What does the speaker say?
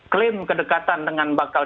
klaim kedekatan dengan bakal